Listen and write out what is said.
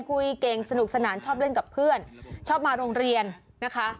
คุยเก่งสนุกสนานชอบเล่นกับเพื่อนชอบมาโรงเรียนนะคะ